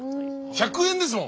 １００円ですもん。